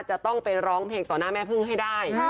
จะต้องไปร้องเพลงต่อหน้าแม่พึ่งให้ได้